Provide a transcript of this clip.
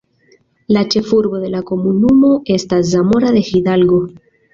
La ĉefurbo de la komunumo estas Zamora de Hidalgo.